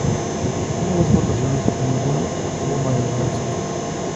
Hubo dos votaciones y ninguno obtuvo mayoría absoluta.